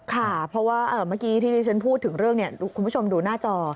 ค่ะเพราะว่าเมื่อกี้ที่ที่ฉันพูดถึงเรื่องคุณผู้ชมดูหน้าจอ